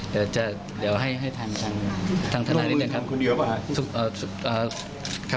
เดี๋ยวให้ทางธนานิดนึงครับ